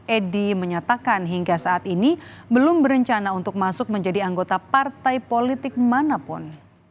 edi menyatakan hingga saat ini belum berencana untuk masuk menjadi anggota partai politik manapun